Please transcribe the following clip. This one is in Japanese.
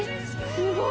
◆すごい。